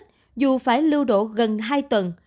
trùm phải lưu đổ gần hai tuần